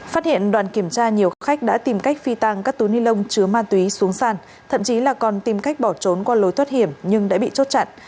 phát hiện đoàn kiểm tra nhiều khách đã tìm cách phi tăng các túi ni lông chứa ma túy xuống sàn thậm chí là còn tìm cách bỏ trốn qua lối thoát hiểm nhưng đã bị chốt chặn